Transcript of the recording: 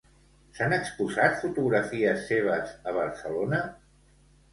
S'han exposat fotografies seves a Barcelona?